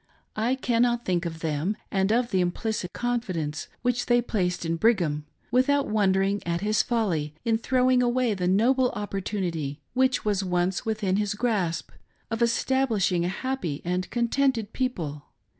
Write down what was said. I cannot think of them and of the implicit confidence which they placed in Brigham, without wondering at his folly in throwing away the noble opportunity, which was once within his grasp, of establishing a happy and contented people.